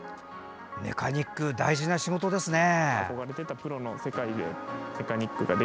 メカニック大事な仕事ですね。